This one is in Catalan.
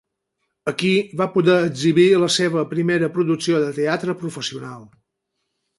Aquí va poder exhibir la seva primera producció de teatre professional.